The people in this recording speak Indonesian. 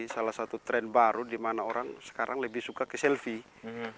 salah satu tren baru di mana orang sekarang lebih suka ke selfie